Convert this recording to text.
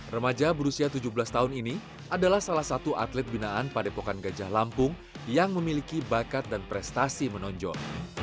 remaja berusia tujuh belas tahun ini adalah salah satu atlet binaan padepokan gajah lampung yang memiliki bakat dan prestasi menonjol